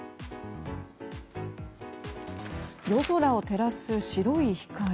夜空を照らす白い光。